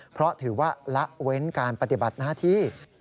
เพราะถือว่าละเว้นการปฏิบัติหน้าที่